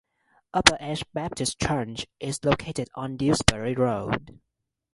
Upper Edge Baptist Church is located on Dewsbury Road.